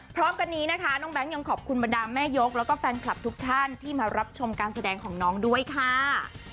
พร้อมกันนี้นะคะน้องแบงค์ยังขอบคุณบรรดาแม่ยกแล้วก็แฟนคลับทุกท่านที่มารับชมการแสดงของน้องด้วยค่ะ